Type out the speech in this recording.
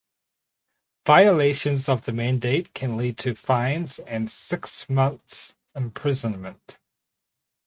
Violations of the mandate can lead to fines and six months imprisonment.